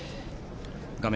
画面